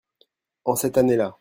En cette année-là.